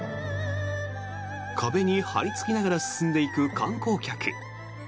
壁に張りつきながら進んでいく観光客。